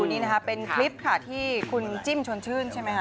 นี่นะคะเป็นคลิปค่ะที่คุณจิ้มชวนชื่นใช่ไหมคะ